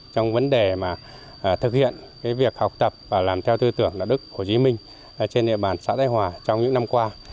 trong vấn đề mà thực hiện cái việc học tập và làm theo tư tưởng đạo đức của chí minh trên địa bàn xã tây hòa trong những năm qua